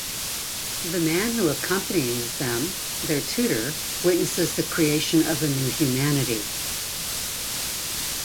The man who accompanies them, their tutor, witnesses the creation of a new humanity.